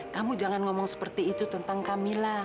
kamu jangan ngomong seperti itu tentang kamilah